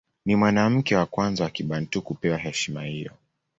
Ni mwanamke wa kwanza wa Kibantu kupewa heshima hiyo.